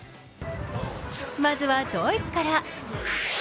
まずはドイツから。